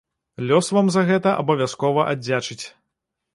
Лёс вам за гэта абавязкова аддзячыць!